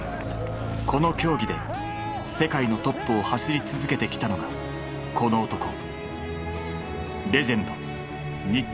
この競技で世界のトップを走り続けてきたのがこの男。